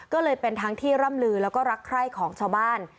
ก็เลยเป็นทั้งที่ร่ำลือแล้วก็รักใคร่ของชาวบ้าน